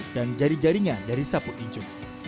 dan jari jarinya dari sapu injuk